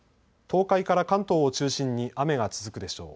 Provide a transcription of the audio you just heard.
東海から関東を中心に雨が続くでしょう。